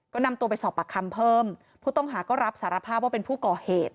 ก็นำตัวไปสอบปากคำเพิ่มผู้ต้องหาก็รับสารภาพว่าเป็นผู้ก่อเหตุ